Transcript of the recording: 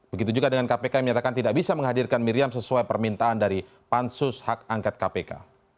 begitu juga dengan kpk yang menyatakan tidak bisa menghadirkan miriam sesuai permintaan dari pansus hak angket kpk